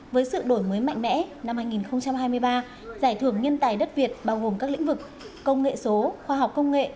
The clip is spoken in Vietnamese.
với sự đổi mới mạnh mẽ năm hai nghìn hai mươi ba giải thưởng nhân tài đất việt bao gồm các lĩnh vực công nghệ số khoa học công nghệ